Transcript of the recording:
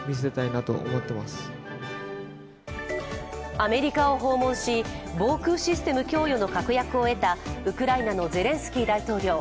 アメリカを訪問し防空システム供与の確約を得たウクライナのゼレンスキー大統領。